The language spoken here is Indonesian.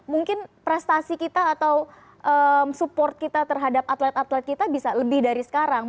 mungkin prestasi kita atau support kita terhadap atlet atlet kita bisa lebih dari sekarang